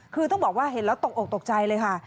คือต้องบอกว่าเห็นแล้วตกอกตกใจเลยค่ะ